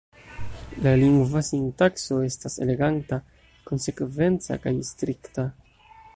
La lingva sintakso estas eleganta, konsekvenca kaj strikta.